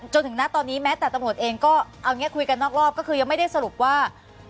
จนถึงณตอนนี้แม้แต่ตำรวจเองก็เอาอย่างนี้คุยกันนอกรอบก็คือยังไม่ได้สรุปว่า